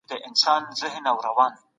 بندیانو ته د زده کړي زمینه برابره وه.